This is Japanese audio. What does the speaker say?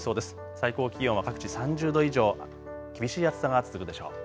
最高気温は各地３０度以上、厳しい暑さが続くでしょう。